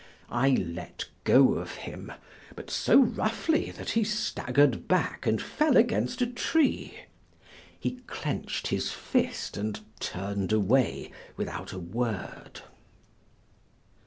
I let go of him, but so roughly that he staggered back and fell against a tree. He clenched his fist and turned away without a word.